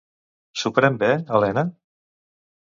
S'ho pren bé, Elena?